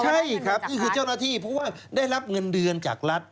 ใช่ครับนี่คือเจ้าหน้าที่เพราะว่าได้รับเงินเดือนจากรัฐ